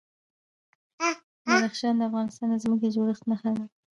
بدخشان د افغانستان د ځمکې د جوړښت نښه ده.